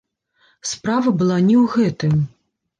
Справа была не ў гэтым.